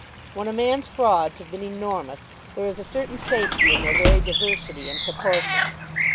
When a man's frauds have been enormous there is a certain safety in their very diversity and proportions.